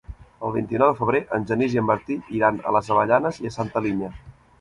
El vint-i-nou de febrer en Genís i en Martí iran a les Avellanes i Santa Linya.